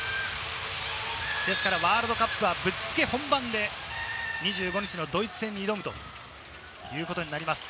ワールドカップはぶっつけ本番で２５日のドイツ戦に挑むということになります。